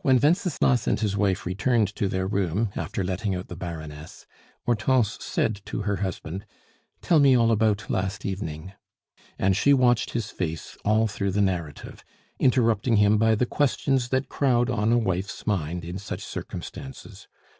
When Wenceslas and his wife returned to their room after letting out the Baroness, Hortense said to her husband: "Tell me all about last evening." And she watched his face all through the narrative, interrupting him by the questions that crowd on a wife's mind in such circumstances.